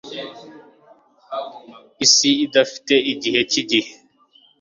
isi idafite igihe cyigihe